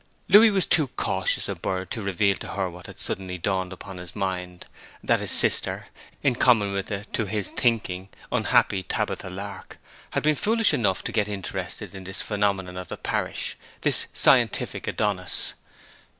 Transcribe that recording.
Louis was too cautious a bird to reveal to her what had suddenly dawned upon his mind that his sister, in common with the (to his thinking) unhappy Tabitha Lark, had been foolish enough to get interested in this phenomenon of the parish, this scientific Adonis.